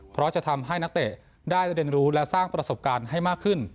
เพราะจะทำให้นักเตะได้เรียนรู้และสร้างประสบการณ์ให้มากขึ้น